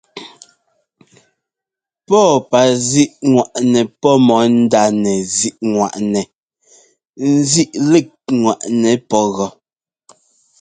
Pɔ́ɔpazíꞌŋwaꞌnɛ pɔ́ mɔ ndánɛzíꞌŋwaꞌnɛ nzíꞌlíkŋwaꞌnɛ pɔ́ gɔ́.